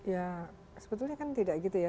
ya sebetulnya kan tidak gitu ya